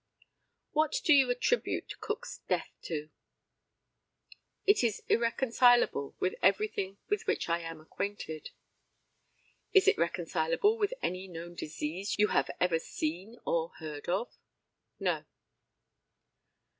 What do you attribute Cook's death to? It is irreconcilable with everything with which I am acquainted. Is it reconcileable with any known disease you have ever seen or heard of? No.